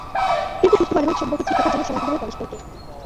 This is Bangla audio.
কিন্তু সুস্থ পারিবারিক সম্পর্ক ঠিক রাখার জন্য সময় দিতে হবে পরস্পরকে।